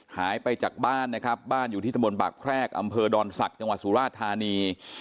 หายไปจากบ้านนะครับบ้านอยู่ที่ตะบนปากแพรกอำเภอดอนศักดิ์จังหวัดสุราชธานี